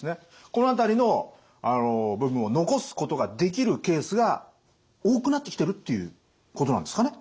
この辺りの部分を残すことができるケースが多くなってきてるっていうことなんですかね？